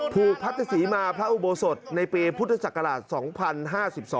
ผูกพัทธศรีมาพระอุโบสถในปีพุทธศักราช๒๐๕๒